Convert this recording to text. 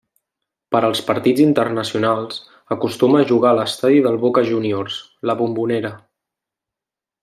Per als partits internacionals acostuma a jugar a l'estadi del Boca Juniors, La Bombonera.